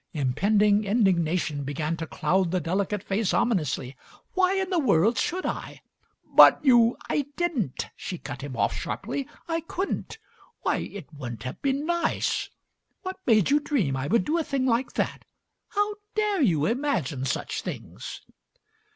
Impending indignation began to cloud the delicate face omi nously. "Why in the world should I?" "But you " "I didn't!" She cut him off sharply. "I couldn't. Why, it wouldn't have been nice! What made you dream I would do a thing like that? How dare you imagine such things!"